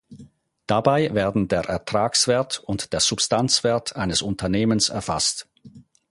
Dabei werden der Ertragswert und der Substanzwert eines Unternehmens erfasst.